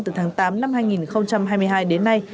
từ tháng tám năm hai nghìn hai mươi hai đến nay